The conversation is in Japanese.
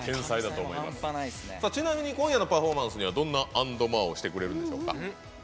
ちなみに今夜のパフォーマンスではどんなａｎｄｍｏｒｅをしてくれるんでしょうか？